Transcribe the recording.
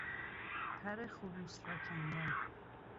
پر خروس را کندن